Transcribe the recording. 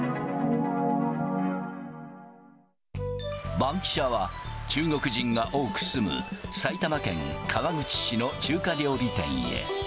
バンキシャは、中国人が多く住む、埼玉県川口市の中華料理店へ。